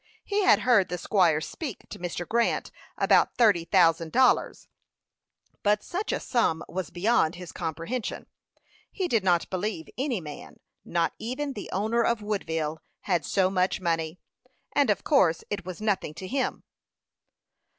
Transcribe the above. He had heard the squire speak to Mr. Grant about thirty thousand dollars; but such a sum was beyond his comprehension. He did not believe any man, not even the owner of Woodville, had so much money; and of course it was nothing to him.